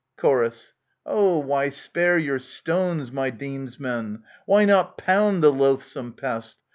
Chor. Oh, why spare your stones, my demesmen ? Why not pound the loathsome pest?